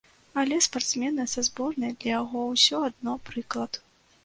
Але спартсмены са зборнай для яго ўсё адно прыклад.